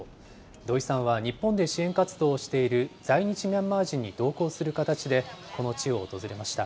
土井さんは日本で支援活動をしている在日ミャンマー人に同行する形で、この地を訪れました。